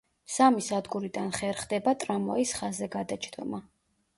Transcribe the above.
სამი სადგურიდან ხერხდება ტრამვაის ხაზზე გადაჯდომა.